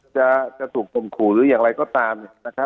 จะถูกต้มขูหรืออย่างไรก็ตาม